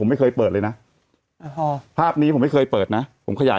แต่หนูจะเอากับน้องเขามาแต่ว่า